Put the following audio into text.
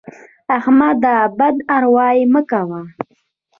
احمده! بد اروايي مه کوه.